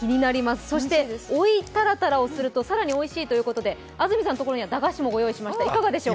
そして追いタラタラをするとさらにおいしいということで安住さんのところには駄菓子も用意しました、いかがでしょう。